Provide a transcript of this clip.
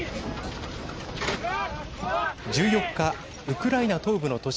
１４日ウクライナ東部の都市